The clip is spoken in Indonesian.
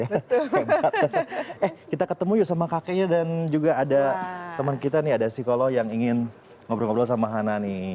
eh kita ketemu yuk sama kakeknya dan juga ada teman kita nih ada psikolog yang ingin ngobrol ngobrol sama hana nih